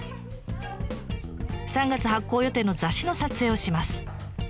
３月発行予定の雑誌の撮影をします。